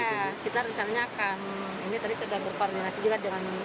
ya kita rencananya akan ini tadi sudah berkoordinasi juga dengan